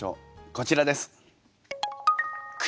こちらです。